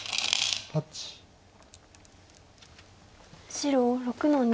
白６の二。